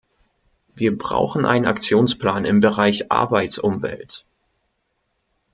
Wir brauchen einen Aktionsplan im Bereich Arbeitsumwelt.